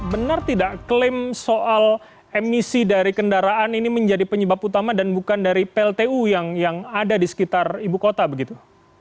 benar tidak klaim soal emisi dari kendaraan ini menjadi penyebab utama dan bukan dari pltu yang ada di sekitar ibu kota begitu